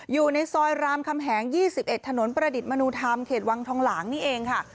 อยู่ในซอยรามคำแหง๒๑ถนนประดิษฐ์มนุธรรมเขตวังทองหลางนี่เองค่ะ